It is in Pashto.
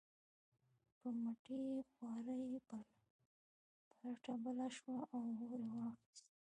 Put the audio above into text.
په مټې خوارۍ پلته بله شوه او اور یې واخیست.